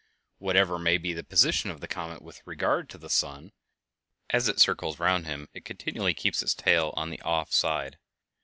Whatever may be the position of the comet with regard to the sun, as it circles round him it continually keeps its tail on the off side.